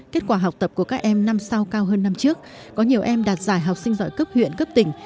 kết quả học tập của các em năm sau cao hơn năm trước có nhiều em đạt giải học sinh giỏi cấp huyện cấp tỉnh